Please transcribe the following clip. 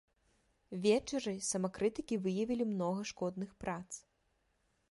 Вечары самакрытыкі выявілі многа шкодных прац.